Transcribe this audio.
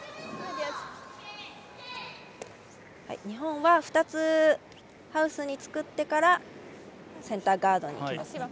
日本は２つ、ハウスに作ってからセンターガードに置きます。